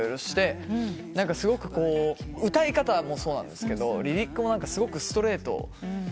すごく歌い方もそうなんですけどリリックもすごくストレートで。